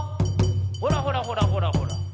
ほらほらほらほらほら。